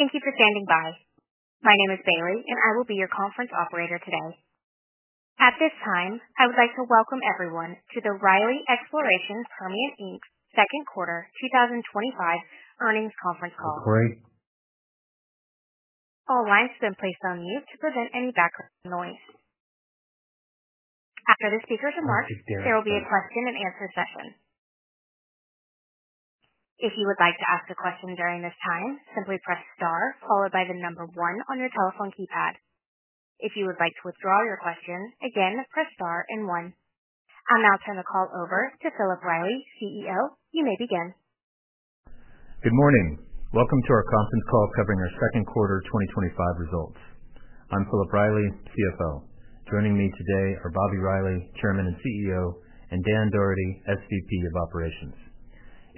Thank you for standing by. My name is Riley, and I will be your conference operator today. At this time, I would like to welcome everyone to the Riley Exploration Permian, Inc. Second Quarter 2025 Earnings conference call. Great. All wires have been placed on mute to prevent any background noise. After the speakers are marked, there will be a question and answer session. If you would like to ask your question during this time, simply press Star, followed by the number one on your telephone keypad. If you would like to withdraw your question, again, press Star and one. I'll now turn the call over to Philip Riley, CFO. You may begin. Good morning. Welcome to our conference call covering our second quarter 2025 results. I'm Philip Riley, CFO. Joining me today are Bobby Riley, Chairman and CEO, and Dan Doherty, Senior Vice President of Operations.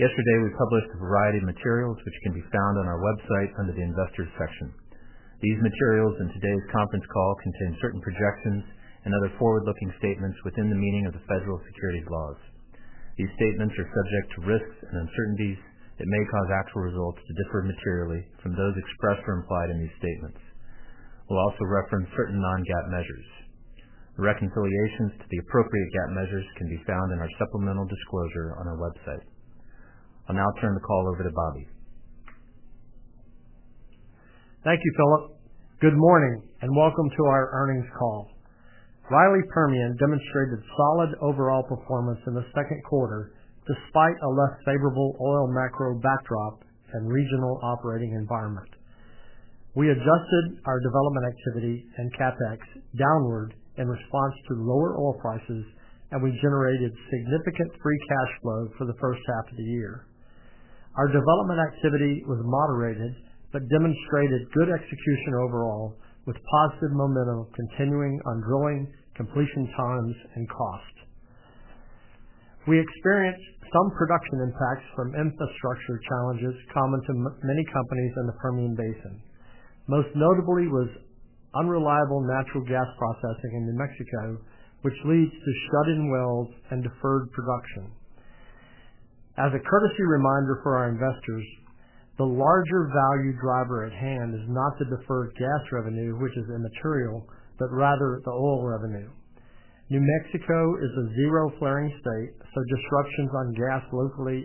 Yesterday, we published a variety of materials which can be found on our website under the investors section. These materials and today's conference call contain certain projections and other forward-looking statements within the meaning of the federal securities laws. These statements are subject to risks and uncertainties that may cause actual results to differ materially from those expressed or implied in these statements. We'll also reference certain non-GAAP measures. A reconciliation to the appropriate GAAP measures can be found in our supplemental disclosure on our website. I'll now turn the call over to Bobby. Thank you, Philip. Good morning and welcome to our earnings call. Riley Permian demonstrated solid overall performance in the second quarter despite a less favorable oil macro backdrop and regional operating environment. We adjusted our development activity and CapEx downward in response to lower oil prices, and we generated significant free cash flow for the first half of the year. Our development activity was moderated but demonstrated good execution overall, with positive momentum continuing on drilling, completion times, and costs. We experienced some production impacts from infrastructure challenges common to many companies in the Permian Basin. Most notably was unreliable natural gas processing in New Mexico, which leads to shut-in wells and deferred production. As a courtesy reminder for our investors, the larger value driver at hand is not the deferred gas revenue, which is immaterial, but rather the oil revenue. New Mexico is a zero-flaring state, so disruptions on gas locally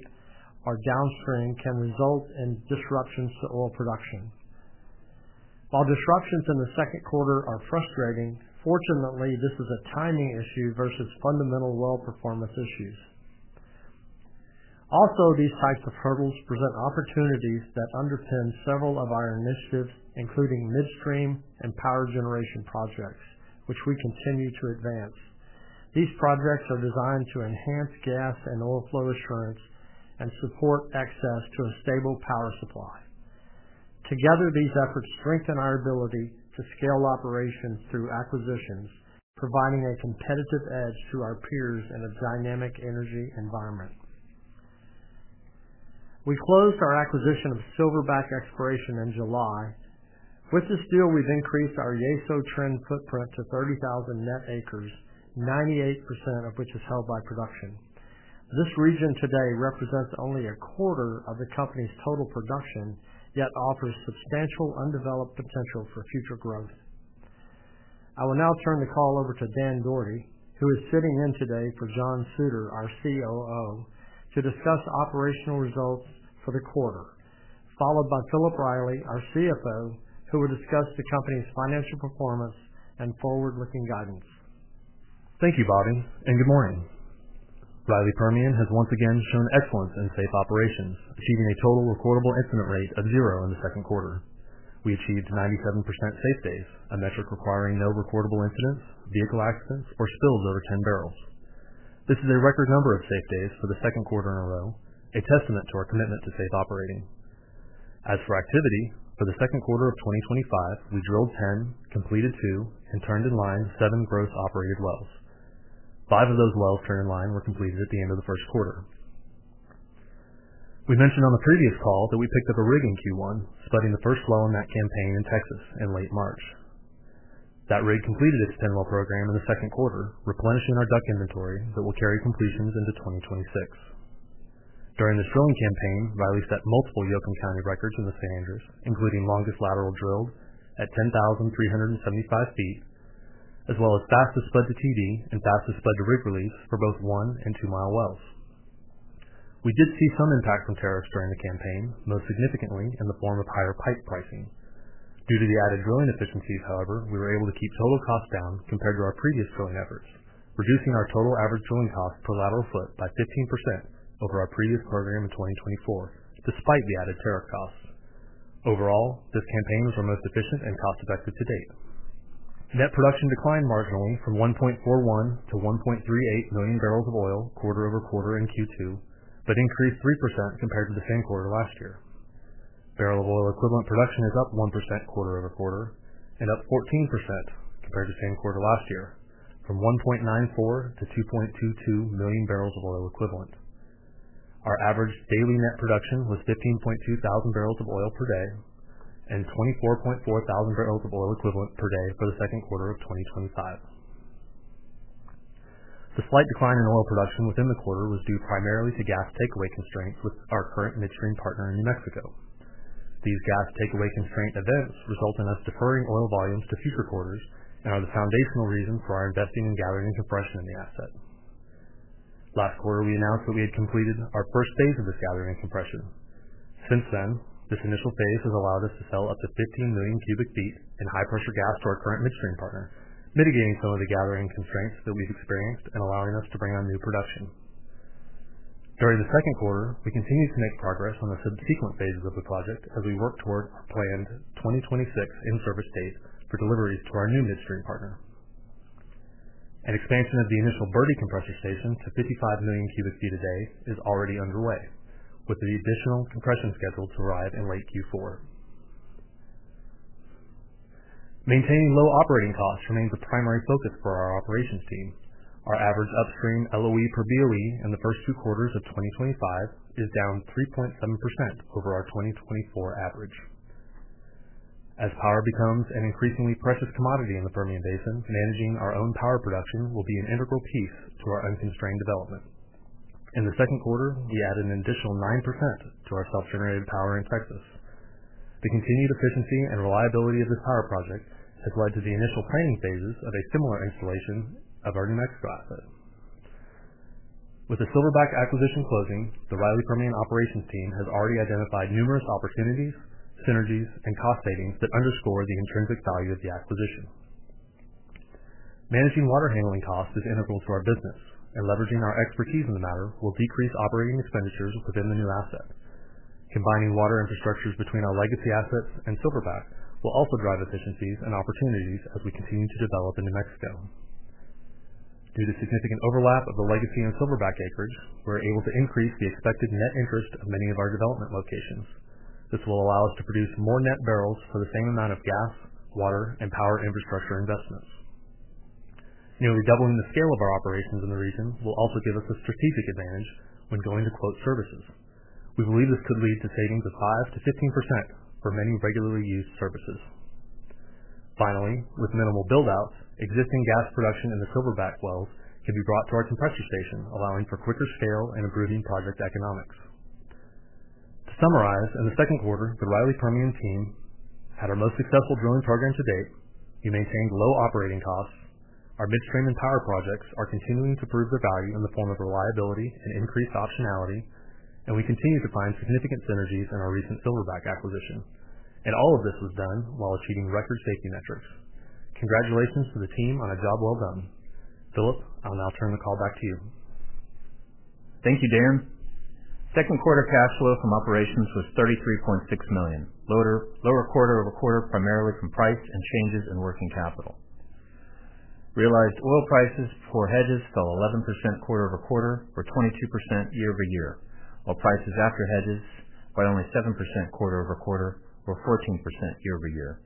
or downstream can result in disruptions to oil production. While disruptions in the second quarter are frustrating, fortunately, this is a timing issue versus fundamental well performance issues. Also, these types of hurdles present opportunities that underpin several of our initiatives, including midstream and power generation projects, which we continue to advance. These projects are designed to enhance gas and oil flow assurance and support access to a stable power supply. Together, these efforts strengthen our ability to scale operations through acquisitions, providing a competitive edge to our peers in a dynamic energy environment. We closed our acquisition of Silverback Exploration in July. With this deal, we've increased our YSO trend footprint to 30,000 net acres, 98% of which is held by production. This region today represents only 1/4 of the company's total production, yet offers substantial undeveloped potential for future growth. I will now turn the call over to Dan Doherty, who is sitting in today for John Suter, our COO, to discuss operational results for the quarter, followed by Philip Riley, our CFO, who will discuss the company's financial performance and forward-looking guidance. Thank you, Bobby, and good morning. Riley Exploration Permian has once again shown excellence in safe operations, achieving a total recordable incident rate of zero in the second quarter. We achieved 97% safe days, a metric requiring no recordable incidents, vehicle accidents, or spills over 10 barrels. This is a record number of safe days for the second quarter in a row, a testament to our commitment to safe operating. As for activity, for the second quarter of 2025, we drilled 10, completed two, and turned in line seven growth-operated wells. Five of those wells turned in line were completed at the end of the first quarter. We mentioned on the previous call that we picked up a rig in Q1, spudding the first well in that campaign in Texas in late March. That rig completed its 10-well program in the second quarter, replenishing our DUC inventory that will carry completions into 2026. During this drilling campaign, Riley set multiple Yoakum County records in the series, including longest lateral drilled at 10,375 ft, as well as fastest spud to TD and fastest spud to rig release for both one and two-mile wells. We did see some impact from tariffs during the campaign, most significantly in the form of higher pipe pricing. Due to the added drilling efficiencies, however, we were able to keep total costs down compared to our previous drilling efforts, reducing our total average drilling cost per lateral foot by 15% over our previous quarter in 2024, despite the added tariff costs. Overall, this campaign was the most efficient and cost-effective to date. Net production declined marginally from 1.41 million barrels-1.38 million barrels of oil, quarter-over-quarter in Q2, but increased 3% compared to the same quarter last year. Barrel of oil equivalent production is up 1% quarter-over-quarter and up 14% compared to the same quarter last year, from 1.94 million barrels- 2.22 million barrels of oil equivalent. Our average daily net production was 15,200 barrels of oil per day and 24,400 barrels of oil equivalent per day for the second quarter of 2025. The slight decline in oil production within the quarter was due primarily to gas takeaway constraints with our current midstream partner in New Mexico. These gas takeaway constraint events result in us deferring oil volumes to future quarters and are the foundational reason for our investing in gathering compression in the asset. Last quarter, we announced that we had completed our first phase of this gathering and compression. Since then, this initial phase has allowed us to sell up to 15 MMcf in high-pressure gas to our current midstream partner, mitigating some of the gathering constraints that we've experienced and allowing us to bring on new production. During the second quarter, we continue to make progress on the subsequent phases of the project as we work toward a planned 2026 in-service date for deliveries to our new midstream partner. An expansion of the initial Bertie compressor station to 55 MMcf a day is already underway, with the additional compression scheduled to arrive in late Q4. Maintaining low operating costs remains a primary focus for our operations team. Our average upstream LOE per BOE in the first two quarters of 2025 is down 3.7% over our 2024 average. As power becomes an increasingly precious commodity in the Permian Basin, managing our own power production will be an integral piece to our unconstrained development. In the second quarter, we added an additional 9% to our self-generated power in Texas. The continued efficiency and reliability of this power project has led to the initial training phases of a similar installation of our New Mexico asset. With the Silverback acquisition closing, the Riley Permian operations team has already identified numerous opportunities, synergies, and cost savings that underscore the intrinsic value of the acquisition. Managing water handling costs is integral to our business, and leveraging our expertise in the matter will decrease operating expenditures within the new asset. Combining water infrastructures between our legacy assets and Silverback will also drive efficiencies and opportunities as we continue to develop in New Mexico. Due to the significant overlap of the legacy and Silverback acres, we're able to increase the expected net interest of many of our development locations. This will allow us to produce more net barrels for the same amount of gas, water, and power infrastructure investments. Nearly doubling the scale of our operations in the region will also give us a strategic advantage when going to quote services. We believe this could lead to savings of 5%-15% for many regularly used services. Finally, with minimal buildouts, existing gas production in the Silverback wells can be brought to our compressor station, allowing for quicker scale and improving project economics. To summarize, in the second quarter, the Riley Permian team had our most successful drilling program to date. We maintained low operating costs. Our midstream and power projects are continuing to prove their value in the form of reliability and increased optionality, and we continue to find significant synergies in our recent Silverback Exploration acquisition. All of this was done while achieving record safety metrics. Congratulations to the team on a job well done. Philip, I will now turn the call back to you. Thank you, Dan. Second quarter cash flow from operations was $33.6 million, lower quarter-over-quarter primarily from price and changes in working capital. Realized oil prices for hedges fell 11% quarter-over-quarter or 22% year-over-year, while prices after hedges by only 7% quarter-over-quarter or 14% year-over year,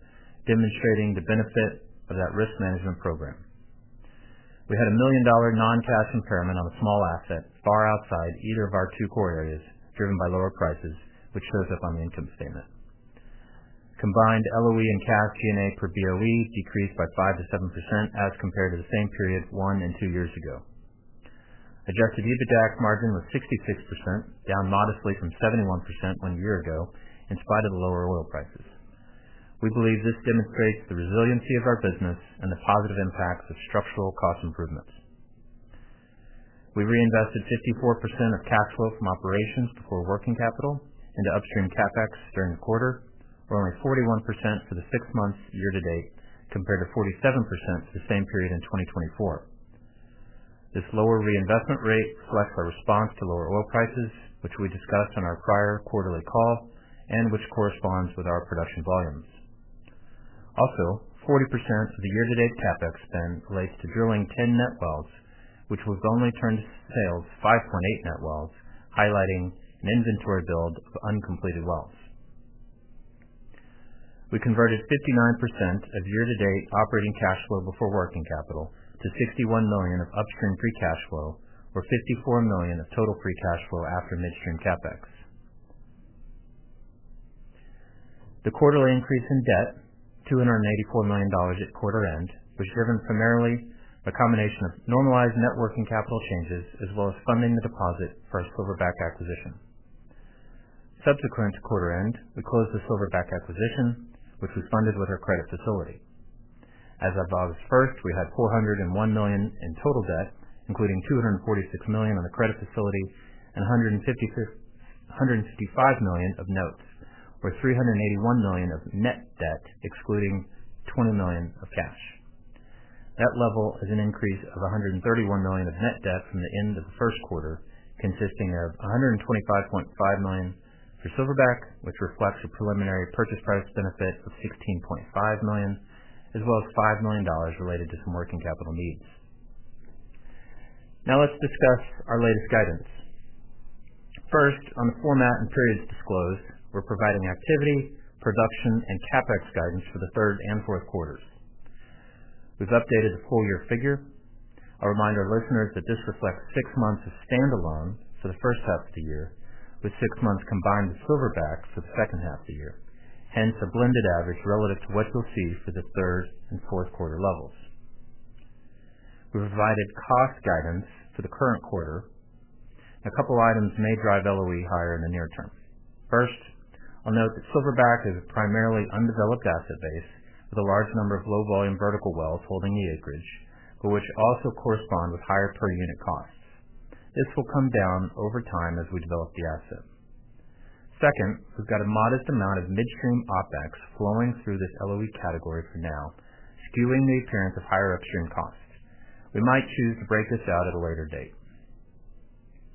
demonstrating the benefit of that risk management program. We had a $1 million non-cash impairment on a small asset far outside either of our two core areas, driven by lower prices, which shows up on the income statement. Combined LOE and cash G&A per BOE decreased by 5%-7% as compared to the same period one and two years ago. Adjusted EBITDA margin was 66%, down modestly from 71% one year ago in spite of the lower oil prices. We believe this demonstrates the resiliency of our business and the positive impacts of structural cost improvement. We reinvested 54% of cash flow from operations to core working capital into upstream CapEx during the quarter, or only 41% for the six months year to date, compared to 47% the same period in 2024. This lower reinvestment rate reflects our response to lower oil prices, which we discussed on our prior quarterly call and which corresponds with our production volumes. Also, 40% of the year-to-date CapEx spend relates to drilling 10 net wells, which was only turned to sales 5.8 net wells, highlighting an inventory build of uncompleted wells. We converted 59% of year-to-date operating cash flow before working capital to $61 million of upstream free cash flow or $54 million of total free cash flow after midstream CapEx. The quarterly increase in debt, $284 million at quarter end, was driven primarily by a combination of normalized net working capital changes as well as funding the deposit for our Silverback Exploration acquisition. Subsequent to quarter end, we closed the Silverback Exploration acquisition, which was funded with our credit facility. As of August 1, we had $401 million in total debt, including $246 million on the credit facility and $165 million of notes, or $381 million of net debt, excluding $20 million of cash. That level is an increase of $131 million of net debt from the end of the first quarter, consisting of $125.5 million for Silverback Exploration, which reflects the preliminary purchase price benefit of $16.5 million, as well as $5 million related to some working capital needs. Now let's discuss our latest guidance. First, on the format and periods disclosed, we're providing activity, production, and CapEx guidance for the third and fourth quarters. We've updated the full-year figure. I'll remind our listeners that this reflects six months of standalone for the first half of the year, with six months combined with Silverback for the second half of the year. Hence, a blended average relative to what you'll see for the third and fourth quarter levels. We provided cost guidance for the current quarter. A couple of items may drive LOE higher in the near term. First, I'll note that Silverback is a primarily undeveloped asset base with a large number of low-volume vertical wells holding the acreage, but which also correspond with higher per unit costs. This will come down over time as we develop the asset. Second, we've got a modest amount of midstream OpEx flowing through this LOE category for now, viewing the appearance of higher upstream costs. We might choose to break this out at a later date.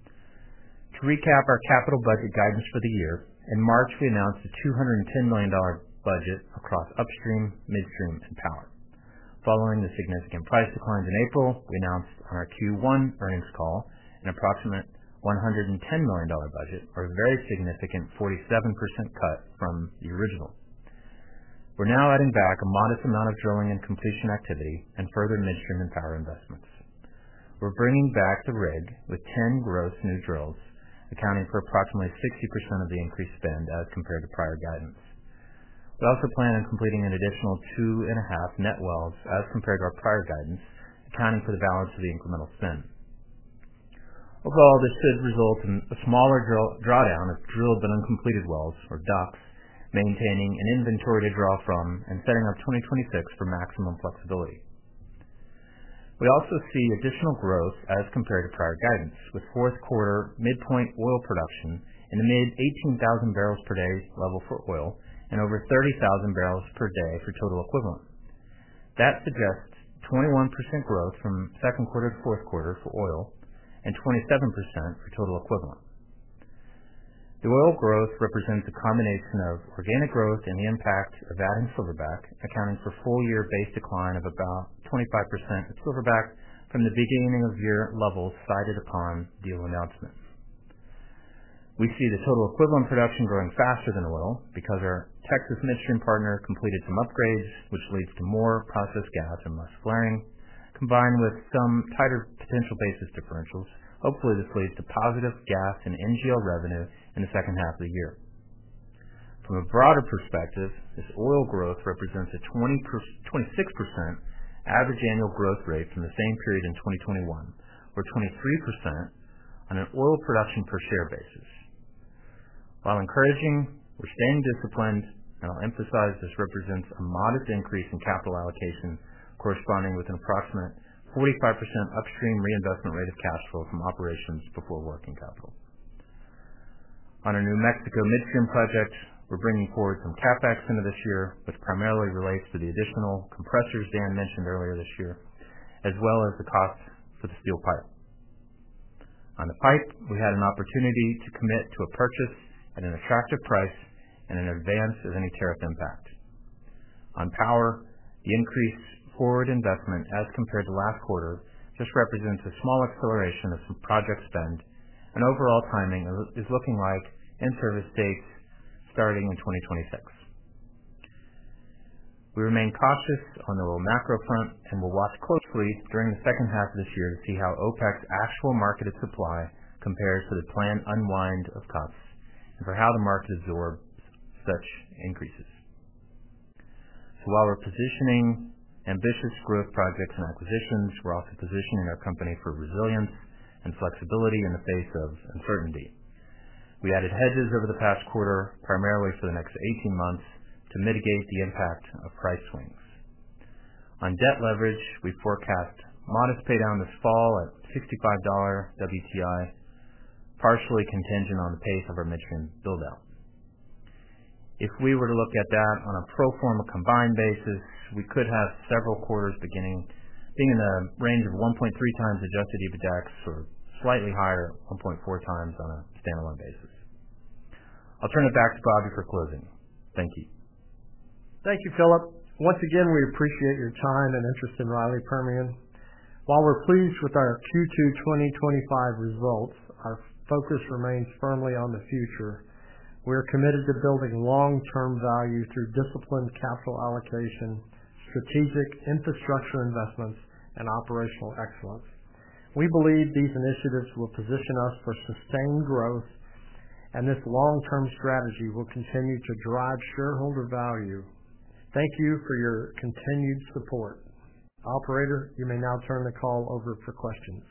To recap our capital budget guidance for the year, in March, we announced a $210 million budget across upstream, midstream, and power. Following the significant price declines in April, we announced on our Q1 earnings call an approximate $110 million budget, a very significant 47% cut from the original. We're now adding back a modest amount of drilling and completion activity and further midstream and power investments. We're bringing back the rig with 10 gross new drills, accounting for approximately 60% of the increased spend as compared to prior guidance. We also plan on completing an additional 2.5 net wells as compared to our prior guidance, accounting for the balance of the incremental spend. Overall, this should result in a smaller drawdown of drilled and uncompleted wells or ducks, maintaining an inventory to draw from and setting up 2026 for maximum flexibility. We also see additional growth as compared to prior guidance, with fourth quarter midpoint oil production in the mid-18,000 barrels per day level for oil and over 30,000 barrels per day for total equivalent. That suggests 21% growth from second quarter to fourth quarter for oil and 27% for total equivalent. Dual growth represents a combination of organic growth and the impact of adding Silverback, accounting for a full-year base decline of about 25% with Silverback from the beginning of year levels cited upon deal announcements. We see the total equivalent production growing faster than oil because our Texas midstream partner completed some upgrades, which leads to more processed gas and less flaring, combined with some tighter potential basis differentials. Hopefully, this leads to positive gas and NGL revenue in the second half of the year. From a broader perspective, this oil growth represents a 26% average annual growth rate from the same period in 2021, or 23% on an oil production per share basis. While encouraging, we're staying disciplined, and I'll emphasize this represents a modest increase in capital allocation corresponding with an approximate 45% upstream reinvestment rate of cash flow from operations before working capital. On our New Mexico midstream project, we're bringing forward some CapEx into this year, which primarily relates to the additional compressors Dan mentioned earlier this year, as well as the cost for the steel pipe. On the pipe, we had an opportunity to commit to a purchase at an attractive price and in advance of any tariff impact. On power, the increased forward investment as compared to last quarter, this represents a small acceleration of some projects done, and overall timing is looking like in-service dates starting in 2026. We remain cautious on the macro front and will watch closely during the second half of this year to see how OpEx actual marketed supply compares to the planned unwind of costs and for how the market absorbs such increases. While we're positioning ambitious growth projects and acquisitions, we're also positioning our company for resilience and flexibility in the face of uncertainty. We added hedges over the past quarter, primarily for the next 18 months, to mitigate the impact of price swings. On debt leverage, we forecast modest paydown this fall at $65 WTI, partially contingent on the pace of our midstream buildout. If we were to look at that on a pro forma combined basis, we could have several quarters beginning being in a range of 1.3x adjusted EBITDA or slightly higher at 1.4x on a standalone basis. I'll turn it back to Bobby for closing. Thank you. Thank you, Philip. Once again, we appreciate your time and interest in Riley Exploration Permian. While we're pleased with our Q2 2025 results, our focus remains firmly on the future. We're committed to building long-term value through disciplined capital allocation, strategic infrastructure investments, and operational excellence. We believe these initiatives will position us for sustained growth, and this long-term strategy will continue to drive shareholder value. Thank you for your continued support. Operator, you may now turn the call over for questions.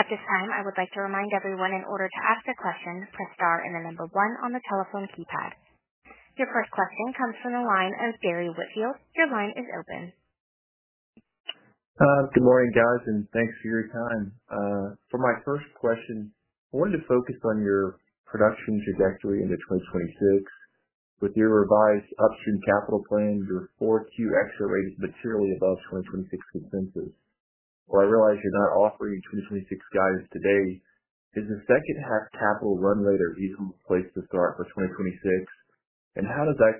At this time, I would like to remind everyone in order to ask a question to start in the number one on the telephone keypad. Your first question comes from the line of Derrick Whitfield. Your line is open. Good morning, guys, and thanks for your time. For my first question, I wanted to focus on your production trajectory into 2026. With your revised upstream capital plan, your 4Q exit rate is materially above 2026 expenses. While I realize you're not offering 2026 guidance today, is the second half capital run rate a reasonable place to start for 2026, and how does that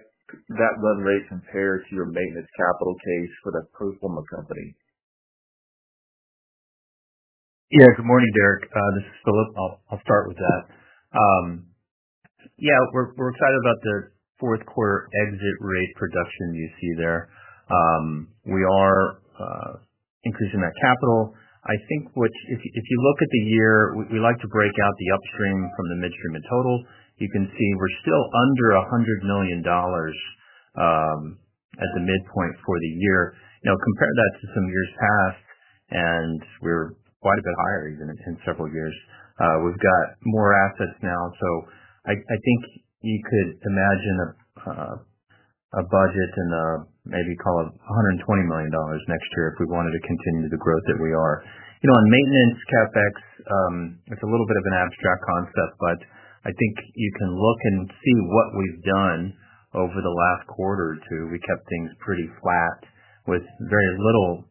run rate compare to your maintenance capital case for the pro forma company? Yeah, good morning, Derek. This is Philip. I'll start with that. Yeah, we're excited about the fourth quarter exit rate production you see there. We are increasing that capital. I think if you look at the year, we like to break out the upstream from the midstream in total. You can see we're still under $100 million at the midpoint for the year. Now, compare that to some years past, and we're quite a bit higher even in several years. We've got more assets now. I think you could imagine a budget in the maybe call it $120 million next year if we wanted to continue the growth that we are. On maintenance CapEx, it's a little bit of an abstract concept, but I think you can look and see what we've done over the last quarter or two. We kept things pretty flat with very little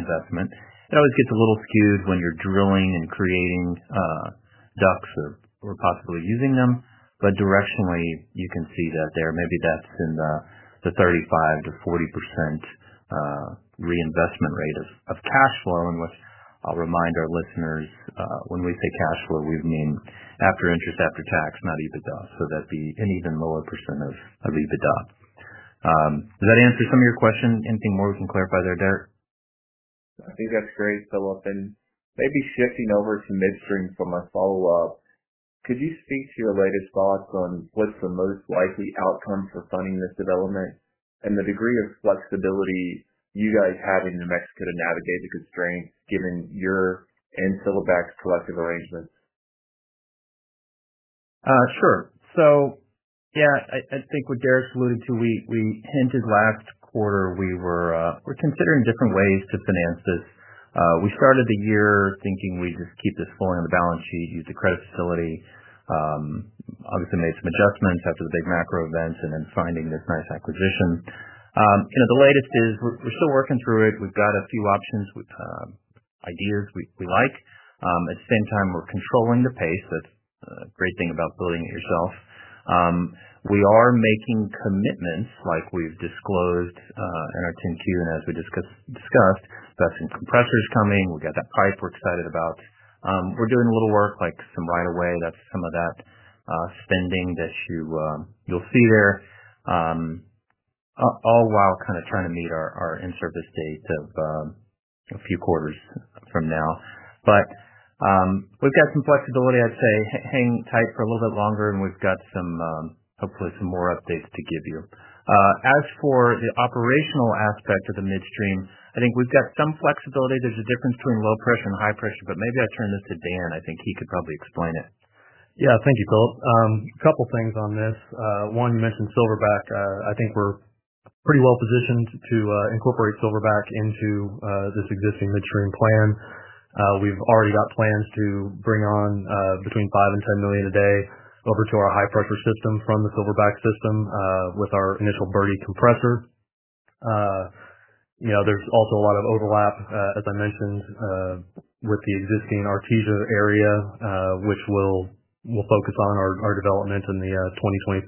investment. It always gets a little skewed when you're drilling and creating ducks or possibly using them. Directionally, you can see that there. Maybe that's in the 35%-40% reinvestment rate of cash flow. I'll remind our listeners, when we say cash flow, we mean after interest, after tax, not EBITDA, so that the even lower percent of EBITDA. Does that answer some of your question? Anything more we can clarify there, Derek? I think that's great, Philip. Maybe shifting over to midstream for my follow-up, could you speak to your latest thoughts on what's the most likely outcome for funding this development and the degree of flexibility you guys have in New Mexico to navigate the constraints given your and Silverback Exploration's collective arrangements? Sure. I think what Derrick alluded to, we hinted last quarter we were considering different ways to finance this. We started the year thinking we'd just keep this flowing on the balance sheet, use the credit facility. Obviously, made some adjustments after the big macro events and then finding this nice acquisition. The latest is we're still working through it. We've got a few options, ideas we like. At the same time, we're controlling the pace. That's a great thing about building it yourself. We are making commitments like we've disclosed in our 10Q and as we discussed. We've got some compressors coming. We've got that pipe we're excited about. We're doing a little work like some right-of-way. That's some of that spending that you'll see there, all while kind of trying to meet our in-service date of a few quarters from now. We've got some flexibility, I'd say, hanging tight for a little bit longer, and we've got some, hopefully, some more updates to give you. As for the operational aspect of the midstream, I think we've got some flexibility. There's a difference between low pressure and high pressure, but maybe I'll turn this to Dan. I think he could probably explain it. Yeah, thank you, Philip. A couple of things on this. One, you mentioned Silverback. I think we're pretty well positioned to incorporate Silverback into this existing midstream plan. We've already got plans to bring on between $5 million and $10 million a day over to our high-pressure system from the Silverback system with our initial Bertie compressor. There's also a lot of overlap, as I mentioned, with the existing Artesia area, which we'll focus on our development in the 2026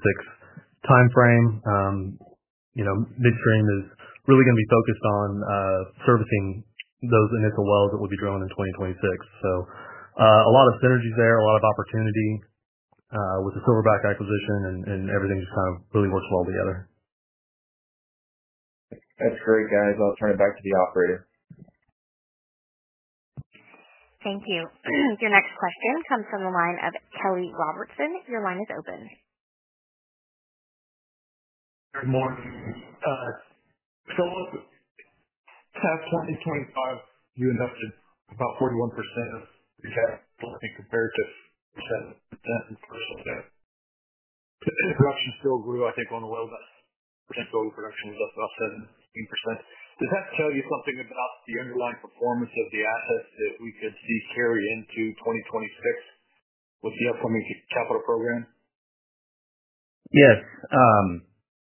timeframe. Midstream is really going to be focused on servicing those initial wells that we'll be drilling in 2026. A lot of synergies there, a lot of opportunity with the Silverback acquisition, and everything's kind of really working well together. That's great, guys. I'll turn it back to the operator. Thank you. Your next question comes from the line of Jeff Robertson. Your line is open. Good morning. Philip, as far as 2025, you invested about 41% of the debt, I think, compared to the 10%. Production still grew, I think, on the low end, and total production was up about 7%-8%. Does that tell you something about the underlying performance of the assets that we could see carry into 2026 with the upcoming capital program? Yes.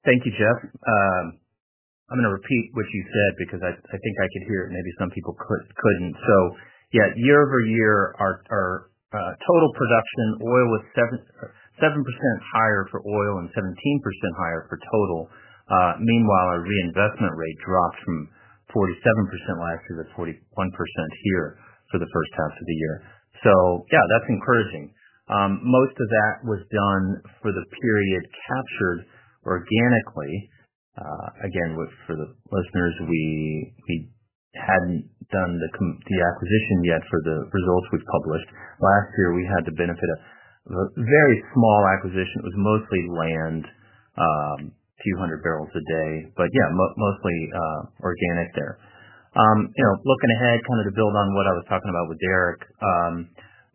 Thank you, Jeff. I'm going to repeat what you said because I think I could hear it and maybe some people couldn't. Year-over-year, our total production oil was 7% higher for oil and 17% higher for total. Meanwhile, our reinvestment rate dropped from 47% last year to 41% here for the first half of the year. That's encouraging. Most of that was done for the period captured organically. For the listeners, we hadn't done the acquisition yet for the results we've published. Last year, we had the benefit of a very small acquisition. It was mostly land, a few hundred barrels a day, but mostly organic there. Looking ahead, kind of to build on what I was talking about with Derrick,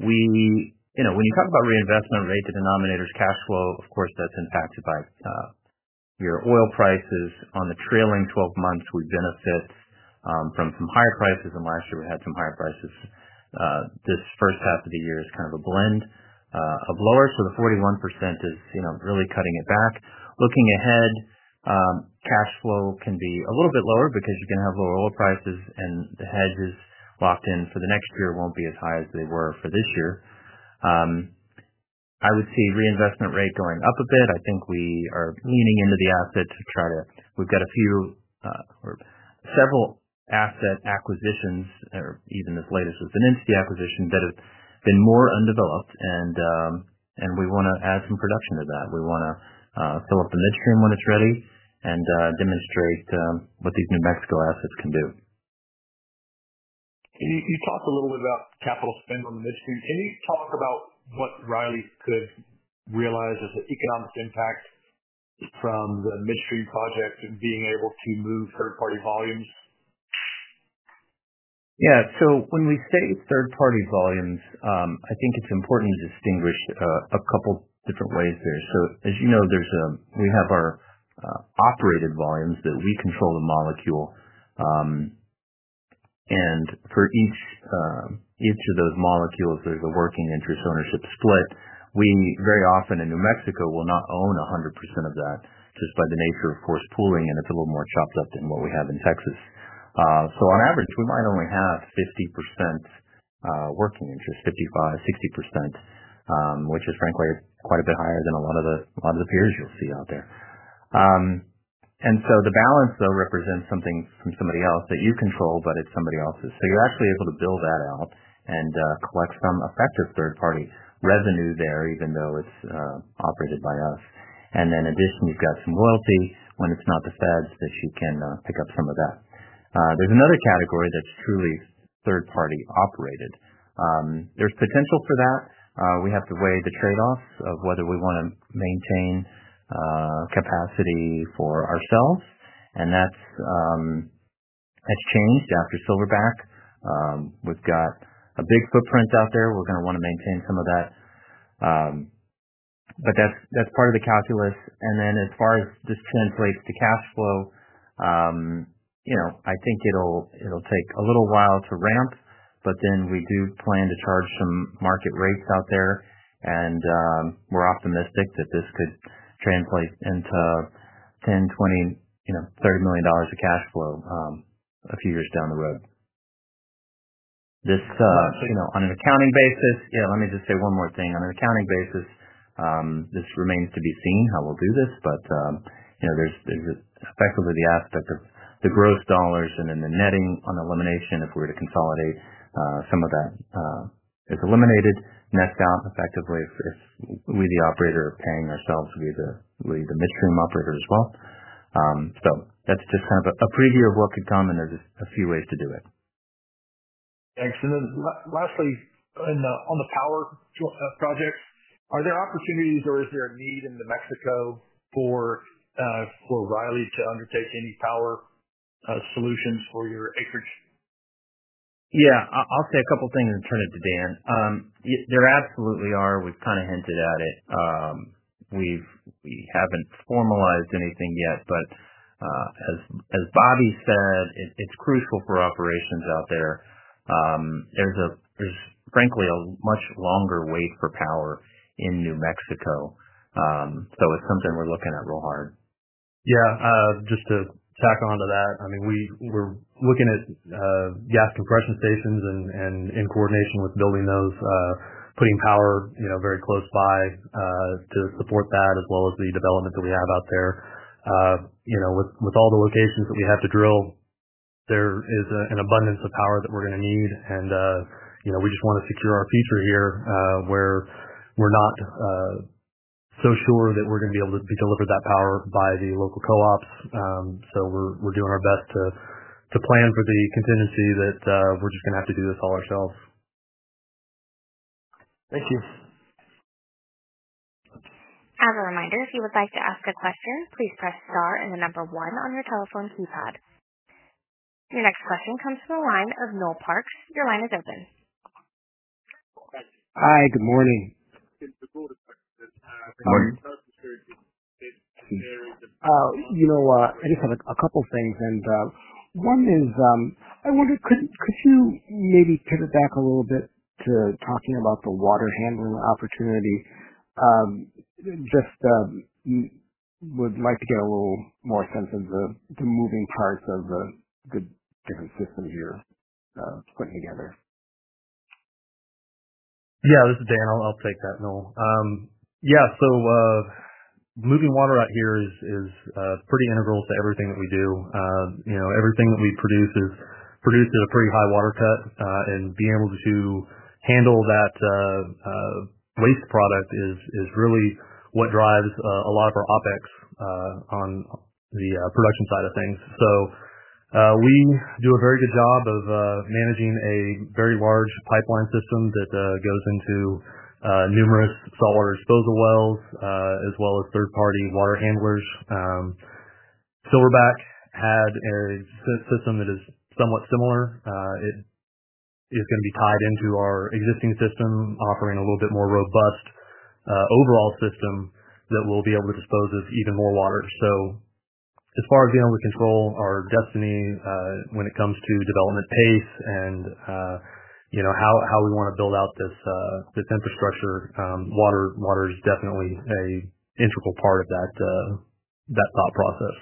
when you talk about reinvestment rate to denominators, cash flow, of course, that's impacted by your oil prices. On the trailing 12 months, we benefit from some higher prices, and last year we had some higher prices. This first half of the year is kind of a blend of lower, so the 41% is really cutting it back. Looking ahead, cash flow can be a little bit lower because you're going to have lower oil prices, and the hedges locked in for the next year won't be as high as they were for this year. I would see reinvestment rate going up a bit. I think we are leaning into the assets to try to, we've got a few or several asset acquisitions, or even as latest as the Nimsky acquisition, that have been more undeveloped, and we want to add some production to that. We want to fill up the midstream when it's ready and demonstrate what these New Mexico assets can do. You talked a little bit about capital spend on the midstream. Can you talk about what Riley could realize as an economic impact from the midstream project and being able to move third-party volumes? Yeah, when we say third-party volumes, I think it's important to distinguish a couple of different ways there. As you know, we have our operated volumes that we control the molecule. For each of those molecules, there's a working interest ownership split. We very often in New Mexico will not own 100% of that just by the nature of forced touring, and it's a little more chopped up than what we have in Texas. On average, we might only have 50% working interest, 55%, 60%, which is frankly quite a bit higher than a lot of the peers you'll see out there. The balance, though, represents something from somebody else that you control, but it's somebody else's. You're actually able to build that out and collect some effective third-party revenue there, even though it's operated by us. In addition, you've got some loyalty when it's not the Feds that you can pick up some of that. There's another category that's truly third-party operated. There's potential for that. We have to weigh the trade-offs of whether we want to maintain capacity for ourselves. That changed after Silverback. We've got a big footprint out there. We're going to want to maintain some of that. That's part of the calculus. As far as this translates to cash flow, I think it'll take a little while to ramp, but we do plan to charge some market rates out there. We're optimistic that this could translate into $10 million, $20 million, $30 million of cash flow a few years down the road. On an accounting basis, let me just say one more thing. On an accounting basis, this remains to be seen how we'll do this, but there's effectively the aspect of the gross dollars and then the netting on elimination if we were to consolidate. Some of that is eliminated. Nets out effectively if we, the operator, are carrying ourselves via the midstream operator as well. That's just kind of a preview of what could come, and there's just a few ways to do it. Thanks. Lastly, on the power project, are there opportunities or is there a need in New Mexico for Riley to undertake any power solutions for your acreage? Yeah, I'll say a couple of things and turn it to Dan. There absolutely are, we've kind of hinted at it. We haven't formalized anything yet, but as Bobby said, it's crucial for operations out there. There's frankly a much longer wait for power in New Mexico. It's something we're looking at real hard. Yeah, just to tack on to that, I mean, we're looking at gas compression stations, and in coordination with building those, putting power very close by to support that as well as the development that we have out there. You know, with all the locations that we have to drill, there is an abundance of power that we're going to need. We just want to secure our future here where we're not so sure that we're going to be able to deliver that power by the local co-ops. We're doing our best to plan for the contingency that we're just going to have to do this all ourselves. Thank you. As a reminder, if you would like to ask a question, please press Star and the number one on your telephone keypad. Your next question comes from a line of Noel Parks. Your line is open. Hi, good morning. Good morning. I just have a couple of things. One is, I wonder, could you maybe pivot back a little bit to talking about the water handling opportunity? I would like to get a little more sense of the moving parts of the different systems you're putting together. Yeah, this is Dan. I'll take that, Noel. Moving water out here is pretty integral to everything that we do. You know, everything that we produce is produced at a pretty high water cut, and being able to handle that waste product is really what drives a lot of our OpEx on the production side of things. We do a very good job of managing a very large pipeline system that goes into numerous saltwater disposal wells, as well as third-party water handlers. Silverback had a system that is somewhat similar. It is going to be tied into our existing system, offering a little bit more robust overall system that will be able to dispose of even more water. As far as being able to control our destiny when it comes to development pace and how we want to build out this infrastructure, water is definitely an integral part of that thought process.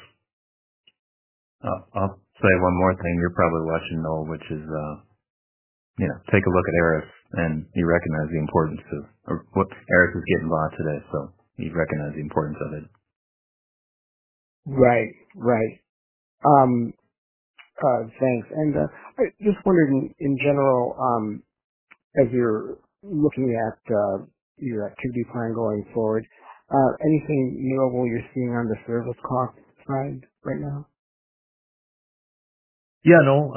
I'll say one more thing you're probably watching, Noel, which is, you know, take a look at ERCOT and you recognize the importance of what ERCOT is getting by today. You recognize the importance of it. Right, right. Thanks. I'm just wondering, in general, as you're looking at your activity plan going forward, anything notable you're seeing on the service cost side right now? Yeah, Noel.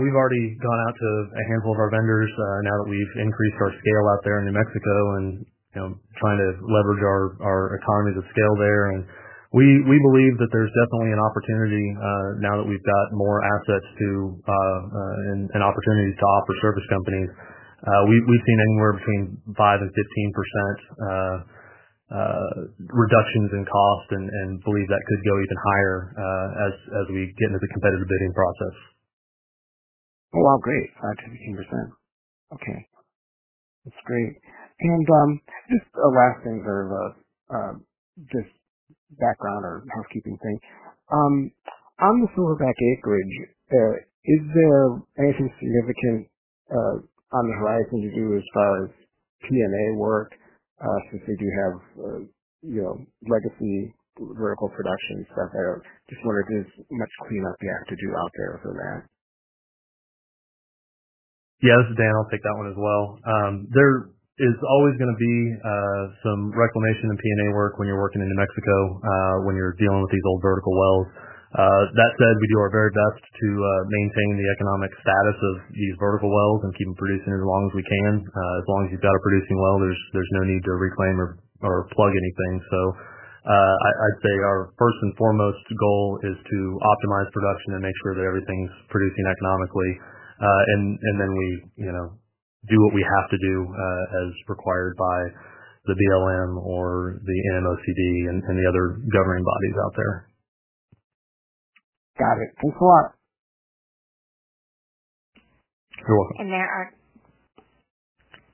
We've already gone out to a handful of our vendors now that we've increased our scale out there in New Mexico and are trying to leverage our economies of scale there. We believe that there's definitely an opportunity now that we've got more assets and opportunity to offer service companies. We've seen anywhere between 5% and 15% reductions in cost and believe that could go even higher as we get into the competitive bidding process. Oh, wow, great. 5%-15%. Okay, that's great. Just a last thing, sort of a just background or housekeeping thing. On the Silverback acreage, is there anything significant on the horizon you do as far as P&A work? Say you have legacy vertical production and stuff there. I just wonder if there's much cleanup you have to do out there for that. Yeah, this is Dan. I'll take that one as well. There is always going to be some reclamation and P&A work when you're working in New Mexico when you're dealing with these old vertical wells. That said, we do our very best to maintain the economic status of these vertical wells and keep them producing as long as we can. As long as you've got a producing well, there's no need to reclaim or plug anything. I'd say our first and foremost goal is to optimize production and make sure that everything's producing economically. We do what we have to do as required by the BLM or the NMOCD and the other governing bodies out there. Got it. Thanks a lot. You're welcome.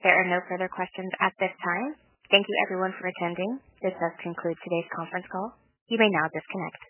There are no further questions at this time. Thank you, everyone, for attending. This does conclude today's conference call. You may now disconnect.